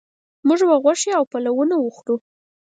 موږ به غوښې او پلونه وخورو